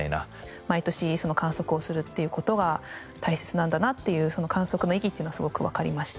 毎年観測をするっていう事は大切なんだなっていう観測の意義っていうのはすごくわかりました。